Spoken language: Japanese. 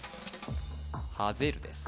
はぜるです